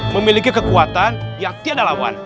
memiliki kekuatan yang tidak lawan